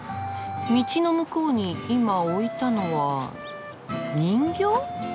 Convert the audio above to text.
道の向こうに今置いたのは人形！？